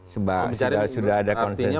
sudah ada konsensus